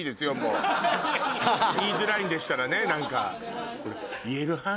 言いづらいんでしたらね何か。